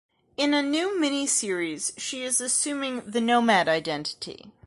In a new miniseries she is assuming the Nomad identity.